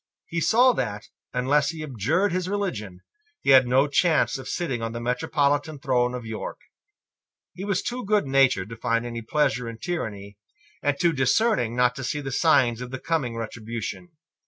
He saw that, unless he abjured his religion, he had no chance of sitting on the metropolitan throne of York. He was too goodnatured to find any pleasure in tyranny, and too discerning not to see the signs of the coming retribution.